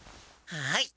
はい！